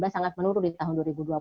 sangat menurun di tahun dua ribu dua puluh